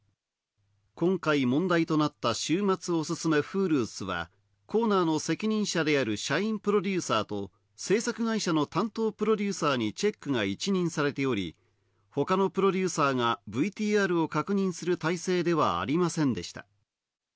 今回、問題となった「週末オススメＨｕｌｕッス」は、コーナーの責任者である社員プロデューサーと制作会社の担当プロデューサーにチェックが一任されており、他のプロデューサーがＶＴＲを確認する体制ではありませんでした。